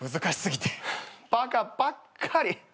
バカばっかり。